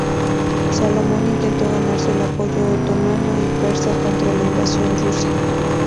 Salomón intentó ganarse el apoyo otomano y persa contra la invasión rusa.